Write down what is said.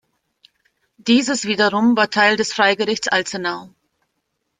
Dieses wiederum war Teil des Freigerichts Alzenau.